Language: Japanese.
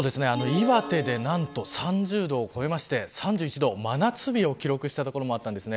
岩手で何と、３０度を超えまして３１度、真夏日を記録した所もありました。